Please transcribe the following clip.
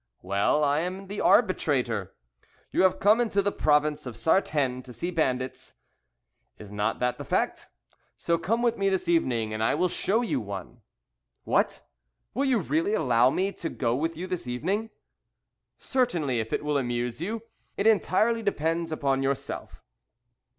Well, I am the arbitrator. You have come into the province of Sartène to see bandits; is not that the fact? So come with me this evening and I will show you one." "What! will you really allow me to go with you this evening?" "Certainly, if it will amuse you. It entirely depends upon yourself."